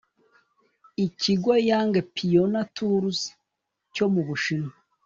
Ikigo Young Pioneer Tours cyo mu Bushinwa